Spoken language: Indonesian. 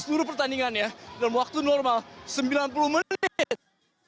dan menangkan pertandingannya dalam waktu normal sembilan puluh menit